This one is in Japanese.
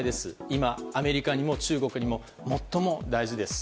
今、アメリカにも中国にも最も大事です。